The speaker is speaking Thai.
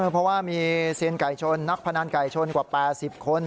เพราะว่ามีเซียนไก่ชนนักพนันไก่ชนกว่า๘๐คน